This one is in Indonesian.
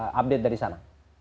update dari sana